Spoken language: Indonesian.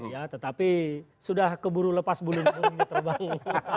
ya tetapi sudah keburu lepas bulu terbang